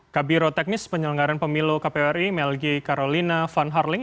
kabiro teknis penyelenggaran pemilu kpwri melgi carolina van harling